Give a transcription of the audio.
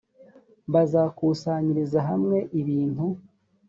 bazakusanyiriza hamwe ibintu